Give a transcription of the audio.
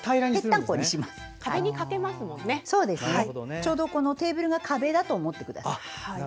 ちょうどテーブルが壁だと思ってください。